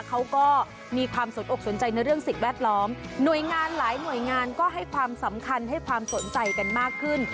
เขาก็มีความสนอกสนใจในเรื่องสิ่งแวดล้อมหน่วยงานหลายหน่วยงานก็ให้ความสำคัญให้ความสนใจกันมากขึ้น